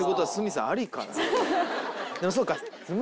でもそうか。